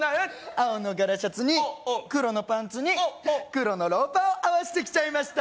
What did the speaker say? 青の柄シャツに黒のパンツに黒のローファーをあわせてきちゃいました